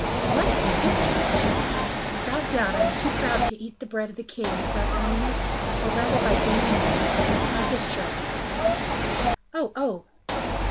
"What! your discharge?" "Without doubt I am too proud to eat the bread of the king without earning it, or rather by gaining it badly. My discharge, sire!" "Oh, oh!"